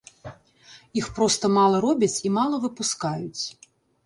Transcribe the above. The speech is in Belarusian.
Іх проста мала робяць і мала выпускаюць.